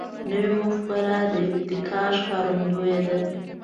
نوې مفکوره د ابتکار ښکارندوی ده